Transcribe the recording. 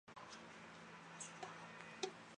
努瓦亚勒蓬提维。